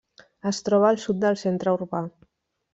Es troba al sud del centre urbà.